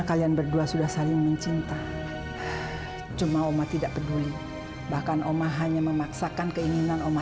sampai jumpa di video selanjutnya